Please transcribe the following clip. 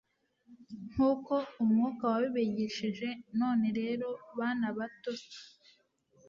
nk uko umwuka wabibigishije none rero bana bato c